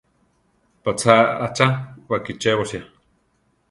Patzá achá wakichébosia.